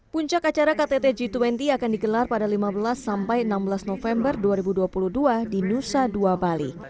puncak acara ktt g dua puluh akan digelar pada lima belas sampai enam belas november dua ribu dua puluh dua di nusa dua bali